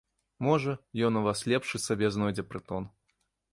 Можа, ён у вас лепшы сабе знойдзе прытон.